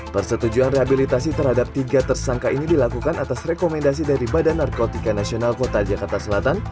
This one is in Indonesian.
persetujuan rehabilitasi terhadap tiga tersangka ini dilakukan atas rekomendasi dari badan narkotika nasional kota jakarta selatan